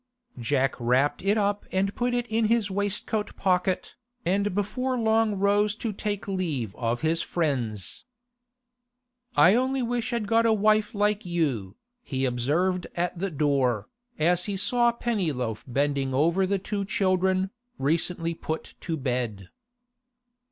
Jack wrapped it up and put it in his waistcoat pocket, and before long rose to take leave of his friends. 'I only wish I'd got a wife like you,' he observed at the door, as he saw Pennyloaf bending over the two children, recently put to bed.